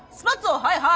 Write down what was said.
はいはい。